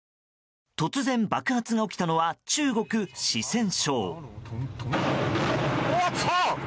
突然、爆発が起きたのは中国・四川省。